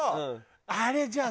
あれじゃあ。